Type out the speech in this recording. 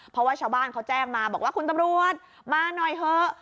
เพราะว่าชาวบ้านเขาแจ้งมาบอกว่าคุณตำรวจมาหน่อยเถอะ